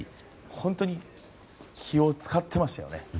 本当に気を使ってましたよね。